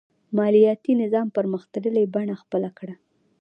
مالیاتي نظام پرمختللې بڼه خپله کړه.